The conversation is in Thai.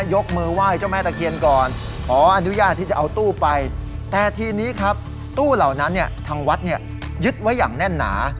ยกมือไหว้เจ้าแม่ตะเคียนก่อนขออนุญาตที่จะเอาตู้ไปแต่ทีนี้ครับตู้เหล่านั้นเนี่ยทางวัดเนี่ยยึดไว้อย่างแน่นหนา